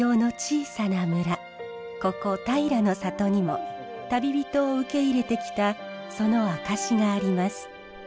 ここ平の里にも旅人を受け入れてきたその証しがあります。